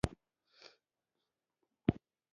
بالاخره یې د برټانیې پر ضد د جهاد اعلان هم کړی دی.